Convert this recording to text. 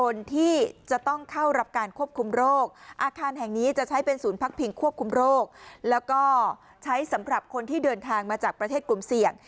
โลกอาคารแห่งนี้จะใช้เป็นสูญพักผิงควบคุมโรคแล้วก็ใช้สำหรับคนที่เดินทางมาจากประเทศกลุ่มเสี่ยง